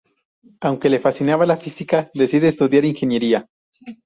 Aunque le fascinaba la física, decide estudiar ingeniería.